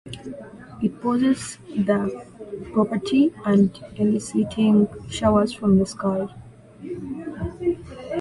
It possesses the property of eliciting showers from the sky.